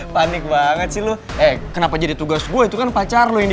panik banget sih lo eh kenapa jadi tugas gue itu kan pacar loh ini